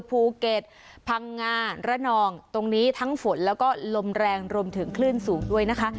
ภูเก็ตพังงาระนองตรงนี้ทั้งฝนแล้วก็ลมแรงรวมถึงคลื่นสูงด้วยนะคะ